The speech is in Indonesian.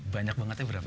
banyak bangetnya berapa